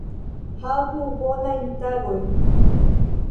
Havu bonajn tagojn!